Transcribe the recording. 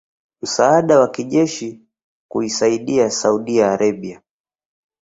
msaada wa kijeshi kuisaidia Saudi Arabia